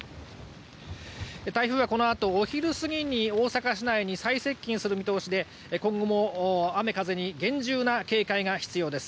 台風はこのあと、お昼過ぎに大阪市内に最接近する見通しで今後も雨風に厳重な警戒が必要です。